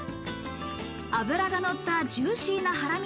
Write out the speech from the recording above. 脂がのったジューシーなハラミ